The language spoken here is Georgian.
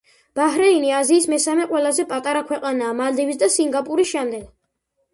ბაჰრეინი აზიის მესამე ყველაზე პატარა ქვეყანაა მალდივის და სინგაპურის შემდეგ.